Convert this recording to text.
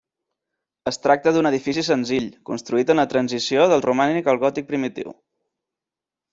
Es tracta d'un edifici senzill, construït en la transició del romànic al gòtic primitiu.